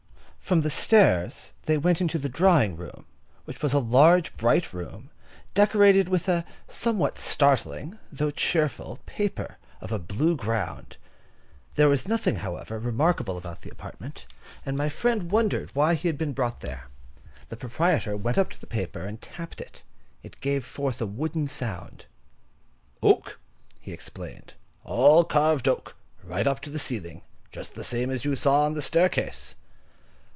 From the stairs, they went into the drawing room, which was a large, bright room, decorated with a somewhat startling though cheerful paper of a blue ground. There was nothing, however, remarkable about the apartment, and my friend wondered why he had been brought there. The proprietor went up to the paper, and tapped it. It gave forth a wooden sound. "Oak," he explained. "All carved oak, right up to the ceiling, just the same as you saw on the staircase."